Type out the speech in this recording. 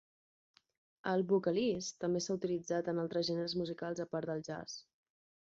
El "vocalese" també s'ha utilitzat en altres gèneres musicals a part del jazz.